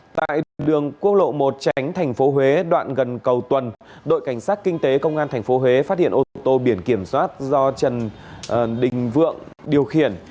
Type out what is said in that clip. tại đường quốc lộ một tránh thành phố huế đoạn gần cầu tuần đội cảnh sát kinh tế công an tp huế phát hiện ô tô biển kiểm soát do trần đình vượng điều khiển